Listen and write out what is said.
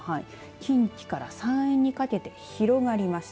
近畿から山陰にかけて広がりました。